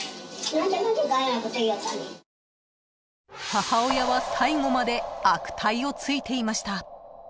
［母親は最後まで悪態をついていました］